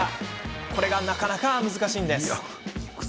これがなかなか難しいんです。